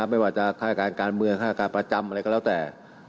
ไม่ว่าจะฆ่าการการเมืองฆาตการประจำอะไรก็แล้วแต่